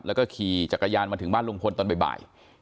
แล้วก็ขี่จักรยานมาถึงบ้านลุงพลตอนบ่าย